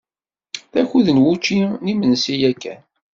D akud n wučči n yimensi yakan.